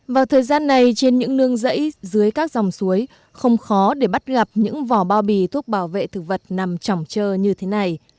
vào thời gian này trên những nương rẫy dưới các dòng suối không khó để bắt gặp những vỏ bao bì thuốc bảo vệ thực vật nằm trỏng trơ như thế này